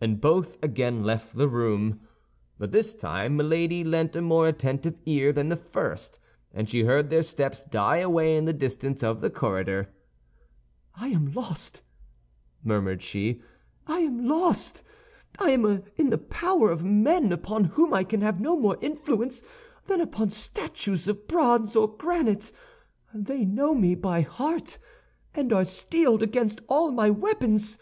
And both again left the room. But this time Milady lent a more attentive ear than the first, and she heard their steps die away in the distance of the corridor. "I am lost," murmured she; "I am lost! I am in the power of men upon whom I can have no more influence than upon statues of bronze or granite; they know me by heart, and are steeled against all my weapons.